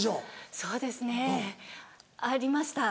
そうですねありました。